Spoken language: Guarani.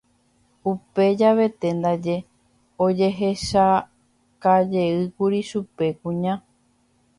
Upe javete ndaje ojehechaukajeýkuri chupe upe kuña